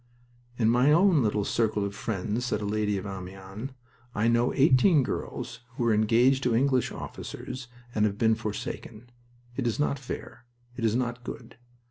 "In my own little circle of friends," said a lady of Amiens, "I know eighteen girls who were engaged to English officers and have been forsaken. It is not fair. It is not good.